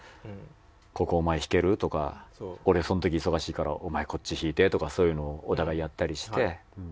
「俺その時忙しいからお前こっち弾いて」とかそういうのをお互いやったりして。